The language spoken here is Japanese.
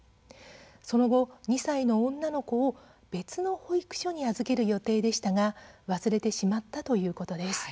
その後、２歳の女の子を別の保育所に預ける予定でしたが忘れてしまったということです。